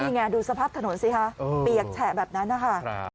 นี่ไงดูสภาพถนนสิคะเปียกแฉะแบบนั้นนะคะ